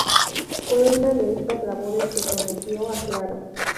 Fue en estas labores que conoció a Claro.